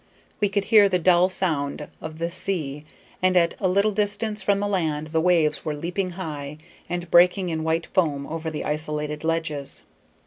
We could hear the dull sound of the sea, and at a little distance from the land the waves were leaping high, and breaking in white foam over the isolated ledges.